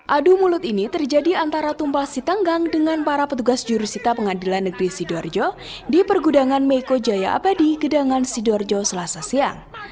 adu mulut ini terjadi antara tumpah sitanggang dengan para petugas jurusita pengadilan negeri sidoarjo di pergudangan meko jaya abadi gedangan sidoarjo selasa siang